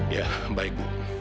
ya baik bu